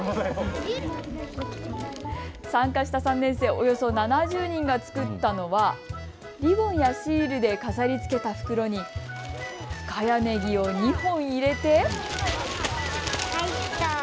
参加した３年生およそ７０人が作ったのはリボンやシールで飾りつけた袋に深谷ねぎを２本入れて。